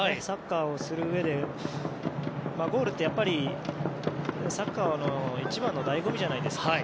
サッカーをするうえでゴールってやっぱり、サッカーの一番の醍醐味じゃないですか。